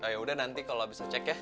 yaudah nanti kalau bisa cek ya